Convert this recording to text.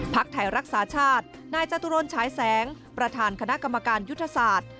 ไทยรักษาชาตินายจตุรนฉายแสงประธานคณะกรรมการยุทธศาสตร์